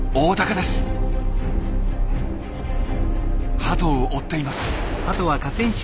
ハトを追っています。